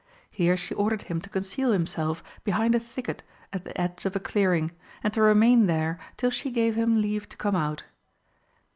Here she ordered him to conceal himself behind a thicket at the edge of a clearing, and to remain there till she gave him leave to come out.